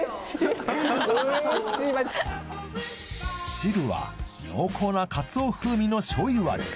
汁は濃厚なかつお風味の醤油味